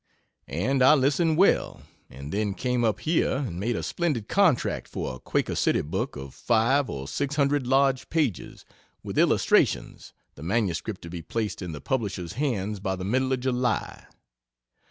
And I listened well, and then came up here and made a splendid contract for a Quaker City book of 5 or 600 large pages, with illustrations, the manuscript to be placed in the publishers' hands by the middle of July.